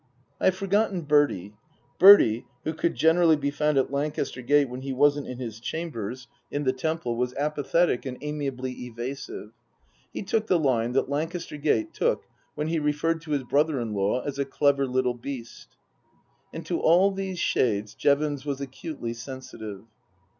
I have forgotten Bertie. Bertie, who could generally be found at Lancaster Gate when he wasn't in his chambers 168 Tasker Jevons in the Temple, was apathetic and amiably evasive. He took the line that Lancaster Gate took when he referred to his brother in law as a clever little beast. And to all these shades Jevons was acutely sensitive.